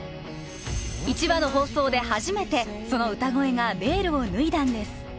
１話の放送で初めてその歌声がベールを脱いだんです